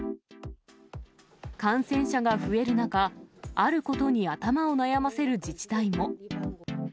感染者が増える中、あることに頭を悩ませる自治体も。